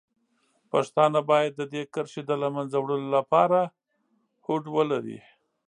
پښتانه باید د دې کرښې د له منځه وړلو لپاره هوډ ولري.